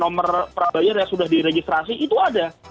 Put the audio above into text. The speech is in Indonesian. nomor per provider yang sudah diregistrasi itu ada